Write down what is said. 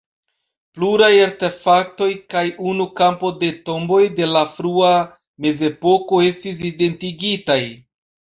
Pluraj artefaktoj kaj unu kampo de tomboj de la frua mezepoko estis identigitaj.